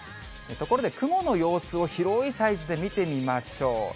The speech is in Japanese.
ところで雲の様子を広いサイズで見てみましょう。